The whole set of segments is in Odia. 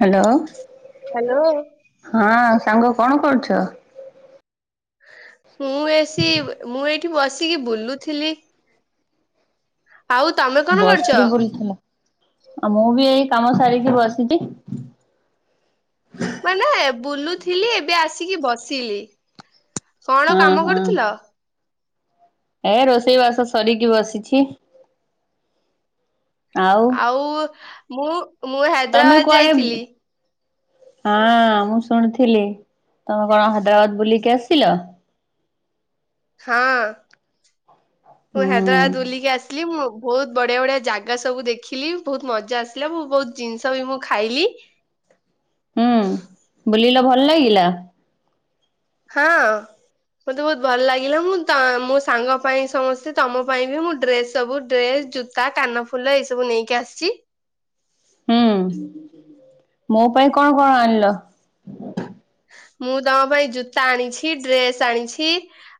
Hello hello. ହଁ ସାଙ୍ଗ କଣ କରୁଚ? ମୁଁ ଏସି ବେ ମୁଁ ଏଇଠି ବସିକି ବୁଲୁଥିଲି। ଆଉ ତମେ କଣ କରୁଛ? ବସିକି ବୁଲୁଥିଲା। ଆଉ ମୁଁ ବି ଏଇ କାମ ସାରିକି ବସିଚି। ମାନେ ବୁଲୁଥିଲି ଏବେ ଆସିକି ବସିଲି। କଣ ହଁ କାମ ହଁ। କରୁଥିଲ? ଏ ରୋଷେଇ ବାସ ସରିକି ବସିଛି। ଆଉ? ଆଉ ମୁଁ ମୁଁ ତମେ ହାଇଦ୍ରାବାଦ କୁଆଡେ ଯାଇଥିଲି। ଉଁ ହଁ ମୁଁ ଶୁଣିଥିଲି। ତମେ କଣ ହାଇଦ୍ରାବାଦ ବୁଲିକି ଆସିଲ? ହଁ ମୁଁ ହାଇଦ୍ରାବାଦ ହୁଁ ବୁଲିକି ଆସିଲି। ମୁଁ ବହୁତ ବଢିଆ ବଢିଆ ଜାଗା ସବୁ ଦେଖିଲି ବହୁତ ମଜା ଆସିଲା ମୁଁ ବହୁତ ଜିନିଷ ବି ମୁଁ ଖାଇଲି। ହୁଁ ବୁଲିଲ ଭଲ ଲାଗିଲା? ହଁ। ମତେ ବହୁତ ଭଲ ଲାଗିଲା। ମୁଁ ତା ମୋ ସାଙ୍ଗ ପାଇଁ ସମସ୍ତେ ତମ ପାଇଁ ବି ମୁଁ ଡ୍ରେସ ସବୁ ଡ୍ରେସ ଜୁତ ତା କାନ ଫୁଲ ଏଇ ସବୁ ନେଇକି ଆସଚି। ହୁଁ, ମୋ ପାଇଁ କଣ-କଣ ଆଣିଲ? ମୁଁ ତମ ପାଇଁ ଜୁତା ଆଣିଛି। ଡ୍ରେସ ଆଣିଛି।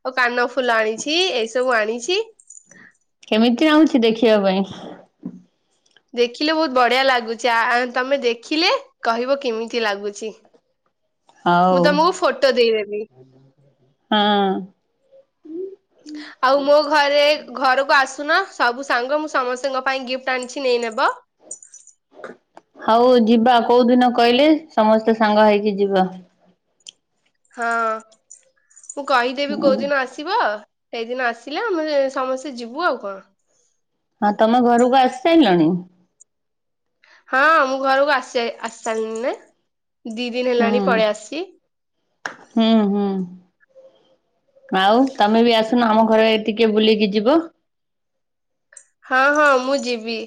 ଓ କାନ ଫୁଲ ଆଣିଛି। ଏଇ ସବୁ ଆଣିଛି। କେମିତି ନାଗୁଛି ଦେଖିବା ପାଇଁ? ଦେଖିଲେ ବହୁତ ବଢିଆ ଲାଗୁଚି। ଆ ଆଁ ତମେ ଦେଖିଲେ କହିବ କେମିତି ଲାଗୁଚି? ହଉ ମୁଁ ତମକୁ ଫଟୋ ଦେଇଦେବି। ହଁ। ଆଉ ମୋ ଘରେ ଘରକୁ ଆସୁନ ସବୁ ସାଙ୍ଗ ମୁଁ ସମସ୍ତଙ୍କ ପାଇଁ ଗିଫ୍ଟ ଆଣିଛି ନେଇ ନେବ। ହଉ ଯିବା କୋଉ ଦିନ କହିଲେ ସମସ୍ତେ ସାଙ୍ଗ ହେଇକି ଯିବା। ହଁ ମୁଁ କହିଦେବି ହୁଁ କୋଉଦିନ ଆସି ଆସିବ ସେଇଦିନ ଆସିଲେ ଆମେ ସମସ୍ତେ ଯିବୁ ଆଉ କଣ? ହଁ ତମ ଘରକୁ ଆସି ସାରିଲଣି? ହଁ ମୁଁ ଘରକୁ ଆସି ଆସିସାରିଲିନି ନା ଦି ଦିନ ହୁଁ ହେଲାଣି ପଳେଇ ଆସିଛି ହୁଁ ହୁଁ। ଆଉ ତମେ ବି ଆସୁନ ଆମ ଘରେ ଆଡେ ଟିକେ ବୁଲିକି ଯିବ? ହଁ ହଁ ମୁଁ ଯିବି।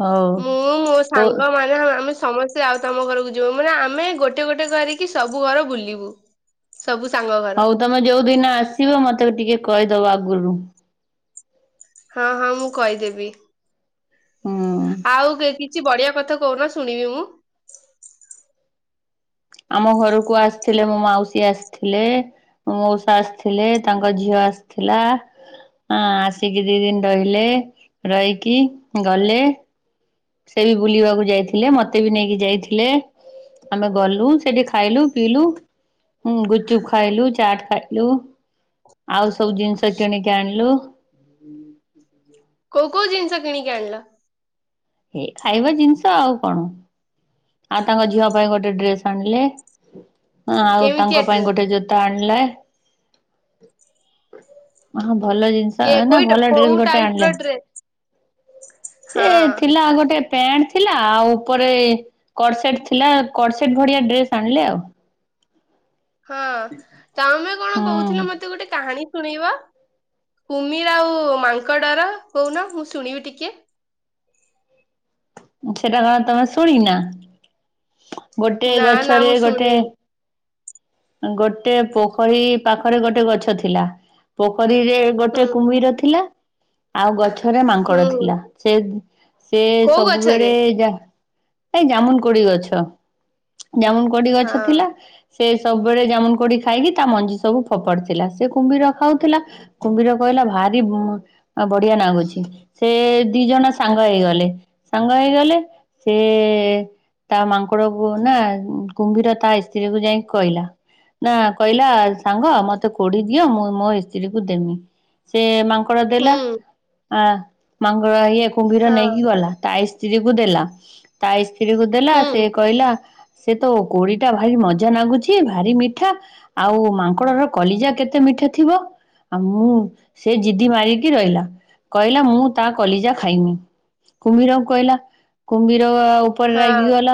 ହଉ ମୁଁ କୋ ସାଙ୍ଗ ମା ଆମେ ସମସ୍ତେ ଆଉ ତମ ଘରକୁ ଯିବୁ ମାନେ ଆମେ ଗୋଟେ ଗୋଟେ କରିକି ସବୁ ଘର ବୁଲିବୁ? ସବୁ ସାଙ୍ଗ ହଉ ଘର। ତମେ ଯୋଉ ଦିନ ଆସିବ ମତେ ଟିକେ କହିଦବ ଆଗରୁ? ହଁ ହଁ ମୁଁ କହିଦେବି ହୁଁ। ଆଉ କିଛି ବଢିଆ କଥା କହୁନ? ଶୁଣିବି ମୁଁ। ଆମ ଘରକୁ ଆସିଥିଲେ ମୋ ମାଉସୀ ଆସିଥିଲେ। ମଉସା ଆସିଥିଲେ ତାଙ୍କ ଝିଅ ଆସିଥିଲା। ହଁ ଆସିକି ଦି ଦିନ ରହିଲେ ରହିକି ଗଲେ। ସେ ବି ବୁଲିବାକୁ ଯାଇଥିଲେ ମତେ ବି ନେଇକି ଯାଇଥିଲେ। ଆମେ ଗଲୁ ସେଠି ଖାଇଲୁ ପିଇଲୁ। ହୁଁ ଗୁପୁଚୁପ୍ ଖାଇଲୁ ଚାଟ ଖାଇଲୁ। ଆଉ ସବୁ ଜିନିଷ କିଣିକି ଆଣିଲୁ। କୋଉ କୋଉ ଜିନିଷ କିଣିିକି ଆଣିଲ? ଏ ଖାଇବା ଜିନିଷ ଆଉ କଣ ଆଉ ତାଙ୍କ ଝିଅ ପାଇଁ ଗୋଟେ ଡ୍ରେସ ଆଣିଲେ। ହଁ ଆଉ କେମିତିଆ ତାଙ୍କ ପାଇଁ ଡ୍ରେସ୍ ଗୋଟେ ଜୋ ତା ଆଣିଲା ହଁ ଭଲ ଜିନିଷ। କେ [unintelligible] ନା କୋଇ ଭଲ କୋଉ ଦିଲ୍ ଗୋଟେ ଟାଇପ ର ଆଣିଲା। ଡ୍ରେସ୍ ସେ ହଁ ଥିଲା ଗୋଟେ ପ୍ୟାଣ୍ଟ ଥିଲା ଆଉ ଉପରେ କସେଟ ଥିଲା କସେଟ ଭଳିଆ ଡ୍ରେସ୍ ଆଣିଲେ ଆଉ। ହଁ ତମେ କଣ କହୁଥିଲ ମତେ ଗୋଟେ କାହାଣୀ ଶୁଣେଇିବ। କୁମିର ଆଉ ମାଙ୍କଡର କହୁନ ମୁଁ ଶୁଣିବି ଟିକେ। ସେଟା କଣ ତମେ ଶୁଣିନା। ଗୋଟେ ନା ନା ଗଛରେ ମୁଁ ଗୋଟେ। ଶୁଣିନି ଗୋଟେ ପୋଖରୀ ପାଖରେ ଗୋଟେ ଗଛ ଥିଲା। ପୋଖରୀରେ ଗୋଟେ ହୁଁ କୁମ୍ଭୀର ଥିଲା ଆଉ ଗଛରେ ମାଙ୍କଡ଼ ହୁଁ ଥିଲା। ସେ ସେ କୋଉ ସବୁବେଳେ ଗଛରେ ଯା ଏ ଜାମୁକୋଳି ଗଛ ଜାମୁକୋଡି ହଁ ଗଛ ଥିଲା ସେ ସବୁବେଳେ ଜାମୁକୋଡି ଖାଇକି ତା ମଞ୍ଜି ସବୁ ଫୋପାଡୁ ଥିଲା ସେ କୁମ୍ଭୀର ଖାଉଥିଲା। କୁମ୍ଭୀର କହିଲା ଭାରି ଉଁ ବଢିଆ ଲାଗୁଛି ସେ ଦି ଜଣ ସାଙ୍ଗ ହେଇଗଲେ ସାଙ୍ଗ ହେଇଗଲେ। ସେ ତା ମାଙ୍କଡକୁ ନା କୁମ୍ଭୀର ତା ଇସ୍ତ୍ରୀ କୁ ଯାଇକି। କହିଲା ନା କହିଲା ସାଙ୍ଗ ମତେ କୋଡ଼ି ଦିଅ ମୁଁ ମୋ ଇସ୍ତ୍ରୀ କୁ ଦେମି। ସେ ମାଙ୍କଡ଼ ଦେଲା ହୁଁ ଆ ମାଙ୍କଡ଼ ଇଏ କୁମ୍ଭୀର ହଁ ନେଇକି ଗଲା ତା ଆଇସ ସ୍ତ୍ରୀ କୁ ଦେଲା ତା ଇସ୍ତ୍ରୀ କୁ ଦେଲା ସେ ହୁଁ କହିଲା ସେ ତ କୋଡିଟା ଭାରି ମଜା ନାଗୁଚି। ଭାରି ମିଠା ଆଉ ମାଙ୍କଡ ର କଲିଜା କେତେ ମିଠା ଥିବ। ମାମୁଁ ସେ ଜିଦି ମାରିକି ରହିଲା କହିଲା ମୁଁ ତା କଲିଜା ଖାଇନି। କୁମ୍ଭୀରଙ୍କୁ କହିଲା କୁମ୍ଭୀର ଉପରେ ରାଗି ହଁ ଗଲା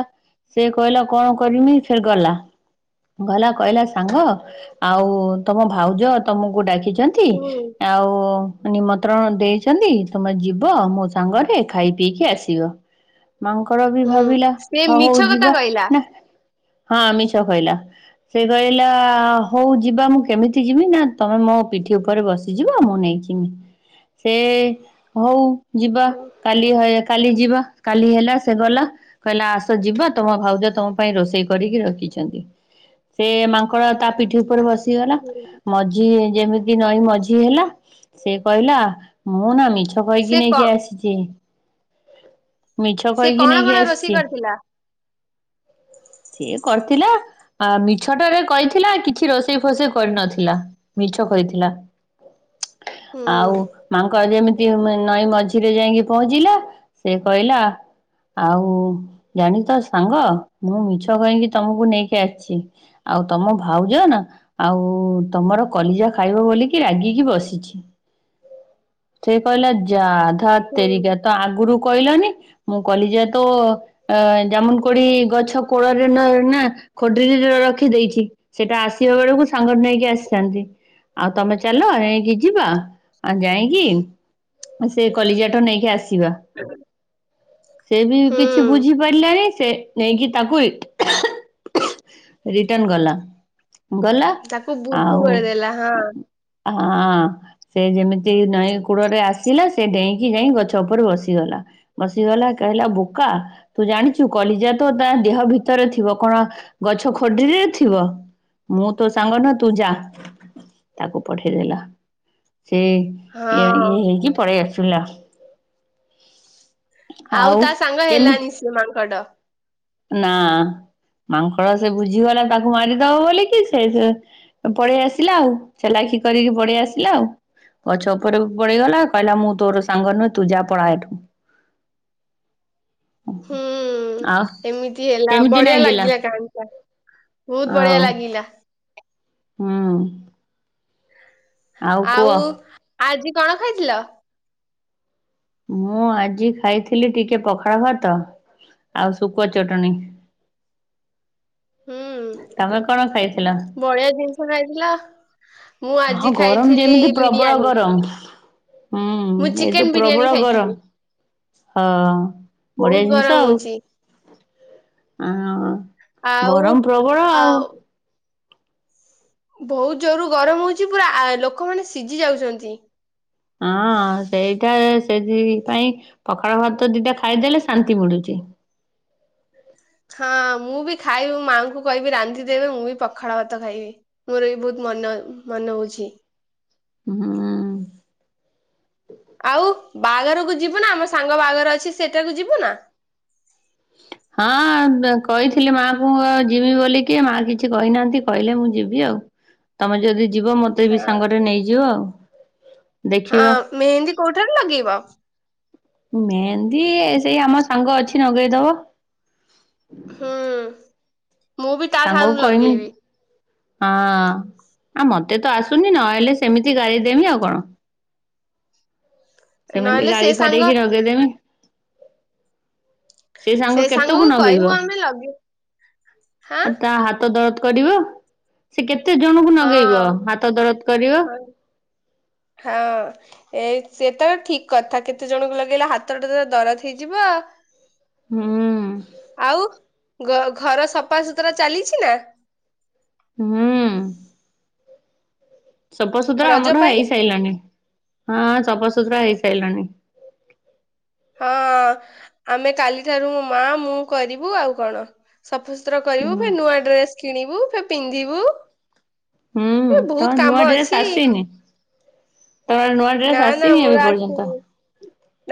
ସେ କହିଲା କଣ କରବି ଫେର ଗଲା। ଗଲା କହିଲା ସାଙ୍ଗ ଆଉ ତମ ଭାଉଜ ତମକୁ ଡାକିଛନ୍ ନ୍ତି ହୁଁ ଆଉ ନିମନ୍ତ୍ରଣ ଦେଇଛନ୍ତି ତମେ ଯିବ ମୋ ସାଙ୍ଗରେ ଖାଇ ପିଇକି ଆସିବ। ମାଙ୍କର ବି ହୁଁ ଭାବିଲା ସେ ହଁ ହଉ ମିଛ କଥା ଯିବା କହିଲା। ନା ହଁ ଆମିଷ କହିଲା। ସେ କହିଲା ହଉ ଯିବା ମୁଁ କେମିତି ଯିବି ନା ତୁମେ ମୋ ପିଠି ଉପରେ ବସିଯିବ ମୁଁ ନେଇକି ଉଁ ସେ ହଉ ଯିବା ହୁଁ କାଲି କାଲି ଯିବା କାଲି ହେଲା ସେ ଗଲା କହିଲା ଆସ ଯିବ ତମ ଭାଉଜ ତମ ପାଇଁ ରୋଷେଇ କରିକି ରଖିଛନ୍ତି। ସେ ମାଙ୍କଡ଼ ତା ପିଠି ଉପରେ ବସିଗଲା ହୁଁ। ମ ଝ ଯେମିତି ନଈ ମଝି ହେଲା ସେ କହିଲା ମୁଁ ନା ମିଛ ସେ କହିକି କ ନେଇକି ଆସିଛି। ମିଛ ସେ କହିକି କଣ ନେଇକି କଣ ରୋଷେଇ ଆସିଛି କରିଥିଲା? ସିଏ କରିଥିଲା। ଆ ମିଛଟାରେ କହିଥିଲା କିଛି ରୋଷେଇ ଫୋଷେଇ କରିନଥିଲା ମିଛ କହିଥିଲା। [inaudible] ଆଉ ହୁଁ ମାଙ୍କ ଯେମିତି ନଈ ମଝିରେ ଯାଇକି ପହଞ୍ଚିଲା ସେ କହିଲା ଆଉ ଜାଣି ତ ସାଙ୍ଗ ମୁଁ ମିଛ କହିକି ତମକୁ ନେଇକି ଆସି ଆଉ ତମ ଭାଉଜ ନା? ଆଉ ତମର କଲିଜା ଖାଇବ ବୋଲିକି ରାଗିକି ବସିଛି। ସେ କହିଲା ଯା ଧା ହୁଁ ତେରିକା ତ ଆଗରୁ କହିଲନି? ମୁଁ କଲିଜା ତ ଅ ଜାମୁନ କୋଲି ଗଛ କୋଳରେ ନ ନା? ଖୋଟ ରଖିଦେଇଛି ସେଇଟା ଆସିବା ବେଳକୁ ସାଙ୍ଗ ନେଇକି ଆସିଥାନ୍ତି। ଆଉ ତମେ ଚାଲ ଏଣକି ଯିବା ଆ ଯାଇକି ସେ କଲିଜାଠ ନେଇକି ଆସିବା। ସେ ବି କିଛି ହୁଁ ବୁଝିପାରିଲାନି ସେ ନେଇକି ତାକୁ ରିଟର୍ଣ ଗଲା ଗଲା ତାକୁ ବୁଦ୍ଧୁ ଆଉ କରିଦେଲା ହଁ ହଁ। ସେ ଯେମିତି ନଈ କୂଳରେ ଆସିଲା ସେ ଡେଇଁକି ଯାଇ ଗଛ ଉପରେ ବସିଗଲା। ବସିଗଲା କହିଲା ବୋକା ତୁ ଜାଣିଛୁ କଲିଜା ତ ତା ଦେହ ଭିତରେ ଥିବ କଣ? ଗଛ ଖଡିିରେ ଥିବ ମୁଁ ତ ସାଙ୍ଗନ ତୁ ଯା। ତାକୁ ପଠେଇଦେଲା ସେ ଇ ଇଏ ହଁ। ହେଇକି ପଳେଇ ଆସିଲା। ଆଉ ତା ସାଙ୍ଗ କେମି ହେଲାନି ସେ ମାଙ୍କଡ। ନା ମାଙ୍କଡ଼ ସେ ବୁଝିଗଲା ତାକୁ ମାରିଦବ ବୋଲିିକି ସେ ସେ ପଳେଇ ଆସିଲା ଆଉ ଚାଲାଖି କରିକି ପଳେଇ ଆସିଲା ଆଉ ଗଛ ଉପରକୁ ପଳେଇଗଲା କହିଲା ମୁଁ ତୋର ସାଙ୍ଗ ନୁହେଁ ତୁଜା ପଳା ଏଠୁ ହୁଁ ଆଉ ଏମିତି ହେଲା କେମିତି ବଢିଆ ନାଗିଲା ଲାଗିଲା କାହାଣୀଟା। ବହୁତ ବଢିଆ ଆଉ ଲାଗିଲା। ହୁଁ। ଆଉ ଆଜି କଣ ଖାଇଥିଲ? ମୁଁ ଆଜି ଖାଇଥିଲି ଟିକେ ପଖାଳ ଭାତ ଆଉ ସୁଖୁଆ ଚଟଣି। ହୁଁ ତମେ କଣ ଖାଇଥିଲ? ବଢିଆ ଜିନିଷ ଖାଇଥିଲ। ମୁଁ ହଁ ଆଜି ଗରମ ଖାଇଥିଲି ଯେମିତି ପ୍ରବଳ ବିରିୟାନୀ ଗରମ। ହୁଁ ମୁଁ ଏଇତ ଚିକେନ ବିରିୟାନୀ ପ୍ରବଳ ଗରମ। ଖାଇଥିଲି ହଁ ବହୁତ ବଢିଆ ଗରମ ଜିନିଷ ଆଉ ହଉଛି। ଆ ଆଉ ଗରମ ପ୍ରବଳ ଆଉ ବହୁତ ଜୋରରୁ ଗରମ ହେଉଛି ପୁରା ଲୋକମାନେ ସିଝି ଯାଉଛନ୍ତି। ହଁ ସେଇଟା ସେଥିପାଇ ପଖାଳ ଭାତ ଦିଟା ଖାଇଦେଲେ ଶାନ୍ତି ମିଳୁଛି। ହଁ ମୁଁ ବି ଖାଇବି ମାଆଙ୍କୁ କହିବି ରାନ୍ଧି ଦେବେ ମୁଁ ବି ପଖାଳ ଭାତ ଖାଇବି। ମୋର ବି ବହୁତ ମନ ମନେ ହଉଛି। ହୁଁ। ଆଉ ବାହାଘରକୁ ଯିବୁ ନା ଆମ ସାଙ୍ଗ ବାହାଘର ଅଛି ସେଇଟାକୁ ଯିବୁ ନା? ହ ହଁ କହିଥିଲି ମାକୁ ଆଉ ଯିବି ବୋଲିକି ମା କିଛି କହିନାହାନ୍ତି କହିଲେ ମୁଁ ଯିବି ଆଉ ତମେ ଯଦି ଯିବ ମତେ ବି ହଁ ସାଙ୍ଗରେ ନେଇଯିବ ଆଉ ହଁ ଦେଖିବା। ମେହେନ୍ଦୀ କୋଉଠାରେ ଲାଗେଇବ? ମେହେନ୍ଦୀ ସେଇ ଆମ ସାଙ୍ଗ ଅଛି ନଗେଇଦବ। ହୁଁ ମୁଁ ବି ତା ସାଙ୍ଗକୁ ଠାରୁ କହିମି ଲଗେଇବି। ହଁ ଆ ମତେ ତ ଆସୁନି ନଆଇଲେ ସେମିତି ଗାରେଇ ଦେମି ଆଉ କଣ। [inaudible] ସେମିତି ସେ ଗାରେଇ ସାଙ୍ଗ ଫାରେଇକି ଲଗେଇଦେମି। ସେ ସାଙ୍ଗ କେତକୁ ସାଙ୍ଗକୁ କହିବୁ ନଗେଇବ ଆମେ ଲଗେଇ ହାଁ ଆଉ ତା ହାତ ଦରଦ୍ କରିବ। ସେ କେତେ ଜଣଙ୍କୁ ନଗେଇବ ହଁ ହାତ ଦରଦ କରିବ। ହଁ ହଁ। ଏ ସେତ ଠିକ୍ କଥା କେତେ ଜଣଙ୍କୁ ଲଗେଇଲେ ହାତଟା ତ ଦରଜ୍ ହେଇଯିବ ହୁଁ। ଆଉ ଗ ଘର ସଫାଶୁତୁରା ଚାଲିଛି ନା? ହୁଁ। ସଫାସୁତୁରା ରଜ ଆମର ପାଇଁ ହେଇସାଇଲାନି ହଁ ସଫାସୁତୁରା ହେଇସାଇଲାଣି। ହଁ ଆମେ କାଲିଠାରୁ ମୋ ମା ମୁଁ କରିବୁ ଆଉ କଣ। ସଫାସୁତୁରା କରିବୁ ହୁଁ। ଫେ ନୂଆ ଡ୍ରେସ କିଣିବୁ ଫେ ପିନ୍ଧିବୁ। ହୁଁ ଏ ତମର ବହୁତ ନୂଆ କାମ ଡ୍ରେସ ଅଛି। ଆସିନି ତମର ନୂଆ ଡ୍ରେସ ନା ନା ଆସିନି ଏବେ ମୋର ପର୍ଯ୍ୟନ୍ତ। ଆସିନି।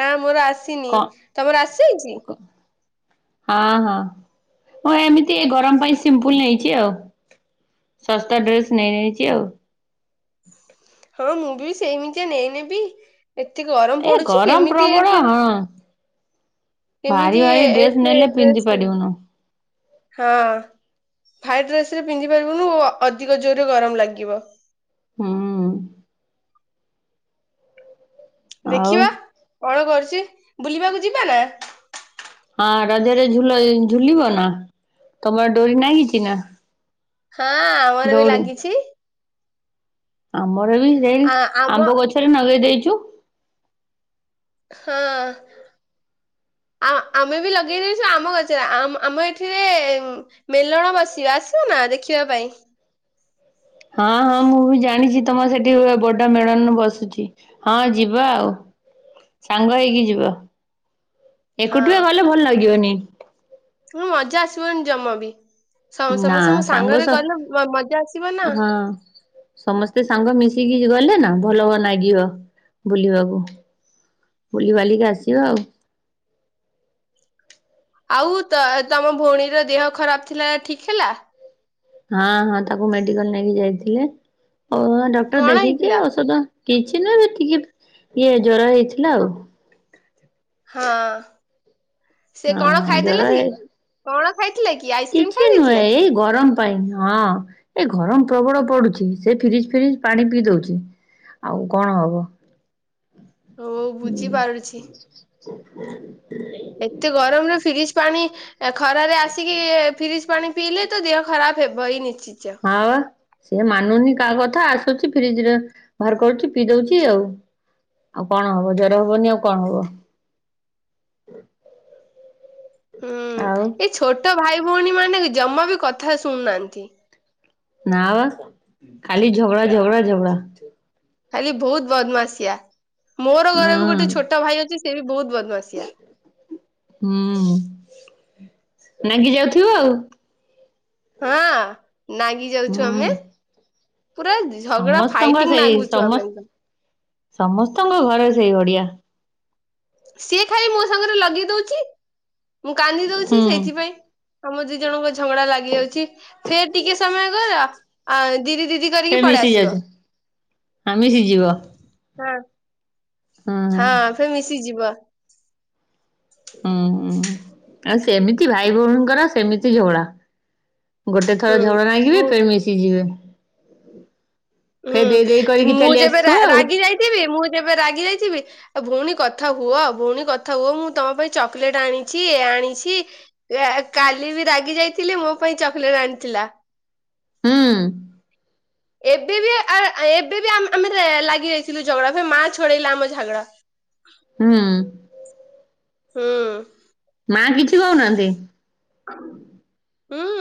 ନା ମୋର ଆସିନି ତମର ଆସିଯାଇଛି ହ। ହଁ ହଁ ମୁଁ ଏମିତି ଗରମ ପାଇଁ ସିମ୍ପୁଲ ନେଇଛି ଆଉ। ଶସ୍ତା ଡ୍ରେସ୍ ନେଇ ଯାଇଛି ଆଉ। ହଁ ମୁଁ ବି ସେଇମିତିଆ ନେଇନେବି ଏତେ ଗରମ ଏ ପଡୁଛି ଗରମ କେମିତି ପ୍ରବଳ ଏଜେ ହଁ। ଭାରି କେମିତି ଭାରି ଡ୍ରେସ ନେଲେ ଏଥିରେ ପିନ୍ଧି ଡ୍ରେସ୍ କିଣିବୁ ପାରିବୁନୁ। ହଁ। [unintelligible] ଡେସ୍ରେ ପିନ୍ଧିପାରିବୁନୁ ଅଧିକ ଜୋର୍ ରେ ଗରମ ଲାଗିବ। ହୁଁ। ଆଉ ଦେଖିବା କଣ କରୁଛି ବୁଲିବାକୁ ଯିବା ନା? ହଁ ରଜରେ ଝୁଲ ଝୁଲିବ ନା ତମର ଡୋରି ନାଗିଛି ନା? ହଁ ଆମର ବି ଦଉଡି ଲାଗିଛି। ଆମର ବି ସେଇ ଆ ଆମ ଆମ୍ବ ଗଛରେ ନଗେଇ ଦେଇଛୁ। ହଁ। ଆଉ ଆମେ ବି ଲଗେଇ ଦେଇଛୁ ଆମ ଗଛରେ ଆମ୍ ଆମ ଏଠିରେ ମେଲଣ ବସିବ ଆସିବ ନା ଦେଖିବା ପାଇଁ? ହଁ ହଁ ମୁଁ ବି ଜାଣିଛି ତମର ସେଠି ବଡ ମେଳଣ ବସୁଛି। ହଁ ଯିବା ଆଉ ସାଙ୍ଗ ହେଇକି ଯିବ। ଏକୁଟିଆ ଗଲେ ଭଲ ଲାଗିବନି। ହୁଁ ମଜା ଆସିବନି ଜମା ବି ସମସ୍ତେ ନା ମୋ ସେ ସାଙ୍ଗ ସ ସାଙ୍ଗରେ ଗଲେ ମଜା ଆସିବ ନା। ହଁ ସମସ୍ତେ ସାଙ୍ଗ ମିଶିକି ଗଲେ ନା ଭଲ ହ ନାଗିବ ବୁଲିବାକୁ। ବୁଲି ବାଲିକି ଆସିବା ଆଉ। ଆଉ ତ ତମ ଭଉଣୀର ଦେହ ଖରାପ ଥିଲା ଠିକ୍ ହେଲା? ହଁ ହଁ ତାକୁ ମେଡିକାଲ ନେଇକି ଯାଇଥିଲେ ଆଉ ଡକ୍ଟର କଣ ଦେଖିକି ହେଇଥିଲା ଔଷଦ କିଛି ନୁହଁ ସେ ଟିକେ ଇଏ ଜର ହେଇଛି। ହଁ ସେ କଣ ହଁ ଜର ଖାଇଦେଲା ଜି? ହେ କଣ ଖାଇଥିଲା କି ଆଇ କିଛି ନୁହେଁ ଏଇ ଗରମ ପାଇଁ ହଁ ଏ ଗରମ ପ୍ରବଳ ପଡ଼ୁଛି ସେ ଫ୍ରିଜ୍ ଫ୍ରିଜ୍ ପାଣି ପିଇ ଦଉଛି ଆଉ କଣ ହବ ହଉ ବୁଝି ହୁଁ? ପାରୁଛି। ଏତେ ଗରମରେ ଫ୍ରିଜ ପାଣି ଖରାରେ ଆସିକି ଫ୍ରିଜ ପାଣି ପିଇଲେ ତ ଦେହ ଖରାପ ହେବ ଇ ନିଶ୍ଚିଚ। ହଁ ବା ସିଏ ମାନୁନି କାହା କଥା ଆସୁଛି ଫ୍ରିଜରେ ବାହାର କରୁଛି ପିଇ ଦଉଛି ଆଉ ଆଉ କଣ ହବ ଜର ହବନି ଆଉ କଣ ହବ। ଆଉ ହୁଁ ଏ ଛୋଟ ଭାଇ ଭଉଣୀ ମାନେ ଜମା ବି କଥା ଶୁଣୁନାହାନ୍ତି। ନା ବା ଖାଲି ଝଗଡ଼ା ଝଗଡ଼ା ଝଗଡ଼ା। ଖାଲି ବହୁତ ବଦମାସିଆ ମୋର ଘରେ ବି ଉଁ ଗୋଟେ ଛୋଟ ଭାଇ ଅଛି ସେ ବି ବହୁତ ବଦମାସିଆ। ହୁଁ ନାଗି ଯାଉଥିବ ଆଉ। ହଁ ନାଗି ଯାଉଛୁ ହୁଁ ଆମେ। ପୁରା ଝଗଡା ସମସ୍ତଙ୍କ ଫାଇଟିଂ ସେଇ ନାଗୁଛୁ ଆମେ। ସମସ୍ତ ସମସ୍ତଙ୍କ ଘରେ ସେଇ ଓଡିଆ। ସିଏ ଖାଇ ମୋ ସାଙ୍ଗରେ ଲଗେଇ ଦଉଛି ମୁଁ କାନ୍ଦି ଦଉଛି ହୁଁ ସେଇଥି। ସେଥିପାଇଁ ତମ ଦି ଜଣଙ୍କ ଝଗଡା ଲାଗି ଯାଉଛି। ଫେର ଟିକେ ସମୟ କର ଆ ଦିଦି ଦିଦି ସେ କରିକି ପଳେଇ ମିଶି ଆସିବ ଯାଉଛି ହଁ ମିଶିଯିବ ହଁ। ହଁ ସେ ମିଶିଯିବ। ହୁଁ ହୁଁ ଆଉ ସେମିତି ଭାଇ ଭଉଣୀଙ୍କର ସେମିତି ଝୋଳା। ଗୋଟେ ଥର ହୁଁ ଝଗଡ଼ା ନେଇାଗିବେ ମୁଁ ଫ ମିଶିଯିବେ। ଫେର ଦେଇ ଦେଇ ହୁଁ କରିକି ମୁଁ ଚାଲି ଯେବେ ଆସିଥିବ ଆଉ ରା-ରାଗି ଯାଇଥିବି ମୁଁ ଯେବେ ରାଗି ଯାଇଥିବି। ଆ ଭଉଣୀ କଥା ହୁଅ ଭଉଣୀ କଥା ହୁଅ ମୁଁ ତମ ପାଇଁ ଚକୋଲେଟ ଆଣିଛି ଏ ଆଣିଛି। ଏ କାଲି ବି ରାଗି ଯାଇଥିଲି ମୋ ପାଇଁ ଚକୋଲେଟ ଆଣିଥିଲା। ହଁ। ଏବେ ବି ଏବେ ବି ଆମେ ଲାଗି ରାଇଥିଲୁ ଝଗଡା ଫ ମା ଛଡେଇଲା ଆମ ଝଗଡା ହୁଁ। ହଁ। ମା କିଛି କହୁନାହାନ୍ତି? ହୁଁ।